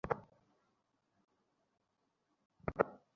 এমন কাণ্ডে তাঁকে আইনগত ব্যবস্থার মুখোমুখি করা হবে বলে জানিয়েছে আরটিই।